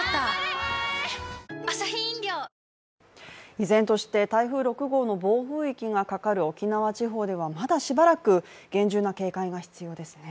依然として台風６号の暴風域がかかる沖縄地方ではまだしばらく厳重な警戒が必要ですね。